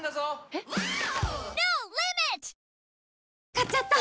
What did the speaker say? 買っちゃった！